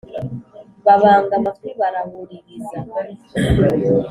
Babanga amatwi barahuririza,